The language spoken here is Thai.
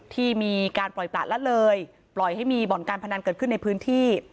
ที่มีการปล่อยประละเลยปล่อยให้มีบ่อนการพนันเกิดขึ้นในพื้นที่